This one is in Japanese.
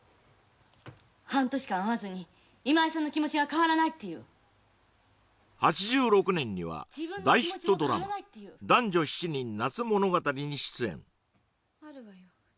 半年間会わずに今井さんの気持ちが変わらないっていう８６年には大ヒットドラマ「男女７人夏物語」に出演あるわよ